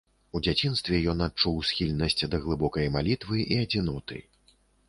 У дзяцінстве ён адчуў схільнасць да глыбокай малітвы і адзіноты.